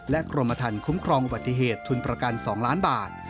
กรมฐานคุ้มครองอุบัติเหตุทุนประกัน๒ล้านบาท